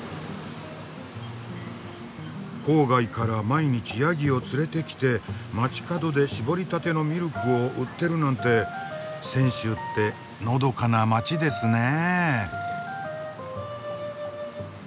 郊外から毎日ヤギを連れてきて街角で搾りたてのミルクを売ってるなんて泉州ってのどかな街ですねえ。